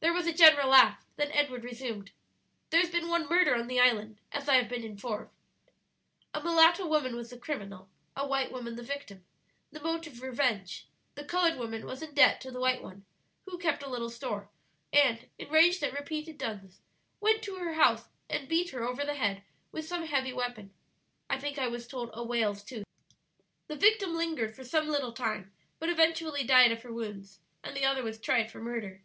There was a general laugh; then Edward resumed: "There has been one murder on the island, as I have been informed. A mulatto woman was the criminal, a white woman the victim, the motive revenge; the colored woman was in debt to the white one, who kept a little store, and, enraged at repeated duns, went to her house and beat her over the head with some heavy weapon I think I was told a whale's tooth. "The victim lingered for some little time, but eventually died of her wounds, and the other was tried for murder.